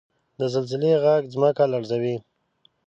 • د زلزلې ږغ ځمکه لړزوي.